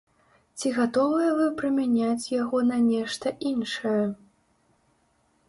Ці гатовыя вы прамяняць яго на нешта іншае?